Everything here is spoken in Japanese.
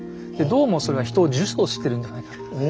どうもそれは人を呪詛してるんではないか。